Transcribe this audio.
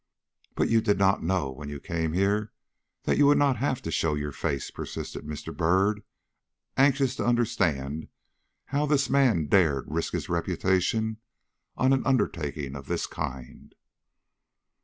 "But you did not know when you came here that you would not have to show your face," persisted Mr. Byrd, anxious to understand how this man dared risk his reputation on an undertaking of this kind.